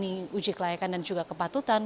menjalani uji kelayakan dan juga kepatutan